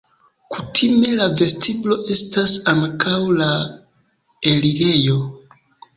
Kutime la vestiblo estas ankaŭ la elirejo.